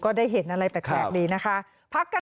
ก็ได้เห็นอะไรแปลกแปลกนี้นะคะ